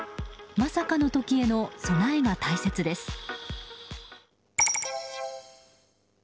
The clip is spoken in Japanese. まさかの時への備えが大切です。